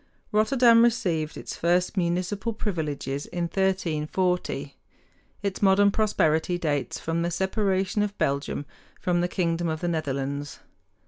Rotterdam received its first municipal privileges in 1340. Its modern prosperity dates from the separation of Belgium from the kingdom of the Netherlands.